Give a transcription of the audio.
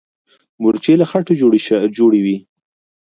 مورچې له خټو جوړې وي.